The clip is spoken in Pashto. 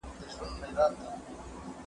تاریخي کرکټرونه د وخت په تېرېدو پېژندل کېږي.